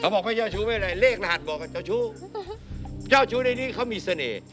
บอกไม่เจ้าชู้ไม่เป็นไรเลขรหัสบอกกับเจ้าชู้เจ้าชู้ในนี้เขามีเสน่ห์